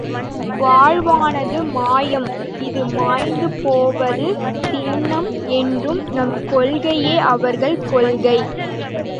வாழ்வானது மாயம் இது மாய்ந்து போவது திண்ணம் என்னும் நம் கொள்கையே அவர்கள் கொள்கை.